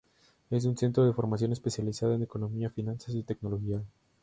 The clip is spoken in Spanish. Es un centro de formación especializada en economía, finanzas y tecnología.